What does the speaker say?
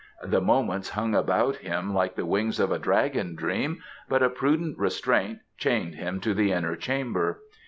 The moments hung about him like the wings of a dragon dream, but a prudent restraint chained him to the inner chamber.